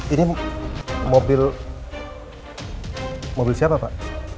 ini mobil siapa pak